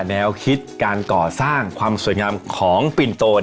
แนวคิดการก่อสร้างความสวยงามของปินโต